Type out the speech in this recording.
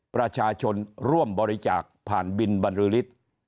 ประชาชนร่วมบริจาคผ่านบินบรรลือฤทธิ์